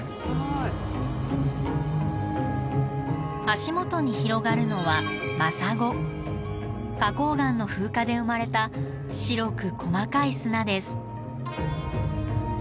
足元に広がるのは花崗岩の風化で生まれた白く細かい砂です。